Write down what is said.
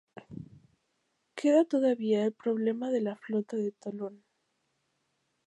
Queda todavía el problema de la flota de Tolón.